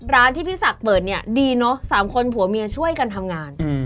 ร้านที่พี่ศักดิ์เปิดเนี่ยดีเนอะ๓คนผัวเมียช่วยกันทำงาน